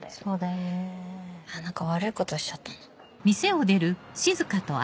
何か悪いことしちゃったな。